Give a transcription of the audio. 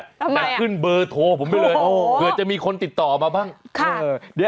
ทำไมอะโทรผมไปเลยเผื่อจะมีคนติดต่อมาบ้างโอ้โฮโอ้โฮ